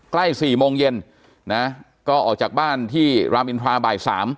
ใกล้๔โมงเย็นนะก็ออกจากบ้านที่รามอินทราบ่าย๓